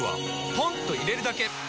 ポンと入れるだけ！